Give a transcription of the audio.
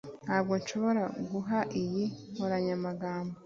Ntabwo nshobora guha iyi nkoranyamagambo